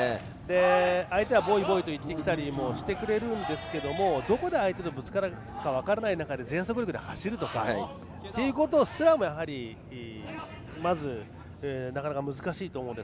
相手はボイ、ボイと言ってきたりしてきてくれるんですけどどこで相手とぶつかるか分からない中で全速力で走ることすらもまず、なかなか難しいと思うので。